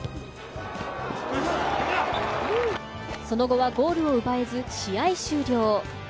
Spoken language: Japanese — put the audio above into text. その後はゴールを奪えず試合終了。